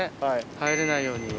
入れないように。